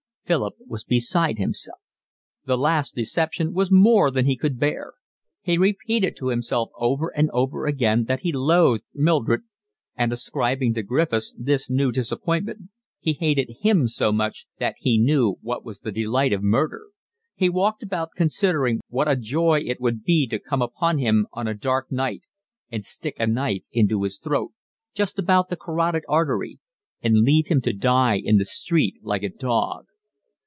Philip was beside himself. The last deception was more than he could bear. He repeated to himself over and over again that he loathed Mildred, and, ascribing to Griffiths this new disappointment, he hated him so much that he knew what was the delight of murder: he walked about considering what a joy it would be to come upon him on a dark night and stick a knife into his throat, just about the carotid artery, and leave him to die in the street like a dog.